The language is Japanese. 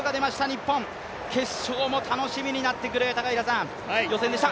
日本、決勝も楽しみになってくる予選でした。